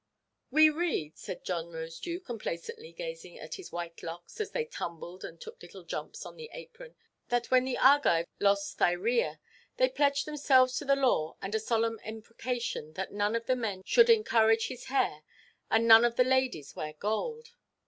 "We read," said John Rosedew, complacently gazing at his white locks as they tumbled and took little jumps on the apron, "that when the Argives lost Thyrea, they pledged themselves to a law and a solemn imprecation, that none of the men should encourage his hair, and none of the ladies wear gold."